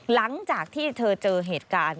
หลังจากที่เธอเจอเหตุการณ์